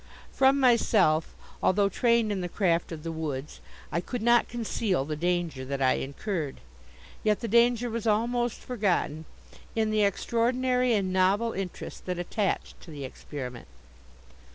From myself, although trained in the craft of the woods, I could not conceal the danger that I incurred. Yet the danger was almost forgotten in the extraordinary and novel interest that attached to the experiment.